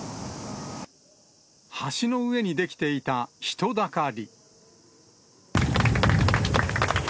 橋の上に出来ていた人だかり。